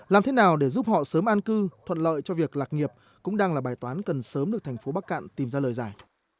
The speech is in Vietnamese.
làm thế nào để giúp họ sớm an cư thuận lợi cho việc lạc nghiệp cũng đang là bài toán cần sớm được thành phố bắc cạn tìm ra lời giải